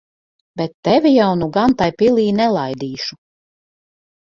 Bet tevi jau nu gan tai pilī nelaidīšu.